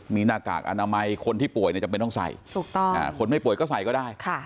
มีหน้ากากอนามัยคนที่ป่วยจำเป็นต้องใส่ถูกต้องคนไม่ป่วยก็ใส่ก็ได้